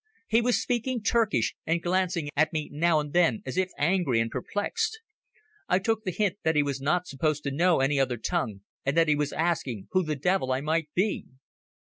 He was speaking Turkish, and glancing at me now and then as if angry and perplexed. I took the hint that he was not supposed to know any other tongue, and that he was asking who the devil I might be.